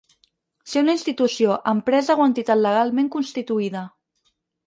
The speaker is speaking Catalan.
Ser una institució, empresa o entitat legalment constituïda.